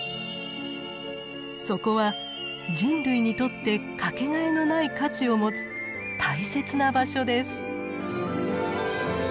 そこは人類にとって掛けがえのない価値を持つ大切な場所です。